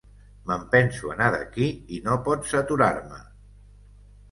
Me'n penso anar d'aquí i no pots aturar-me!